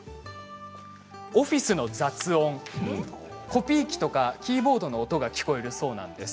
オフィスの雑音コピー機とかキーボードの音が聞こえるそうなんです。